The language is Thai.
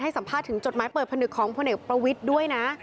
สัมภาษณ์ถึงจดหมายเปิดผนึกของพลเอกประวิทย์ด้วยนะ